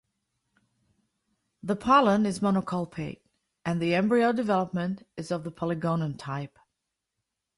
The pollen is monocolpate, and the embryo development is of the Polygonum type.